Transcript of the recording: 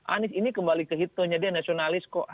anies ini kembali ke hitonya dia nasionalis kok